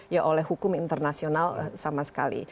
ya oleh hukum internasional sama sekali